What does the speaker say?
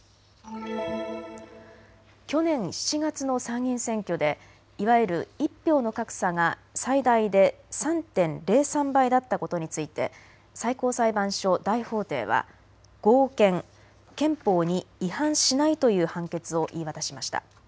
去年７月の参議院選挙でいわゆる１票の格差が最大で３．０３倍だったことについて最高裁判所大法廷は合憲、憲法に違反しないという判決を言い渡しました。